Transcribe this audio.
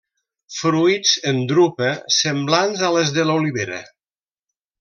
Fruits en drupa semblants a les de l'olivera.